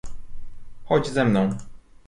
"Chodź ze mną!"